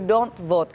kalau kamu tidak vote